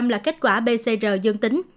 chín mươi chín là kết quả pcr dương tính